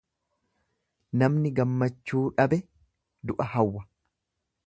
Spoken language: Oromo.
Namni gammachuu dhabe du'a hawwa.